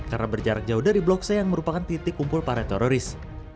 karena berjarak jauh dari blok c yang merupakan titik kumpul para teroris